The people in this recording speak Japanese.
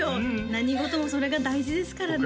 何事もそれが大事ですからね